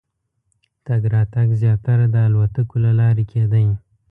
تګ راتګ زیاتره د الوتکو له لارې کېدی.